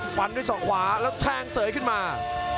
ฟันด้วยศอกขวาแล้วแทงเสยขึ้นมา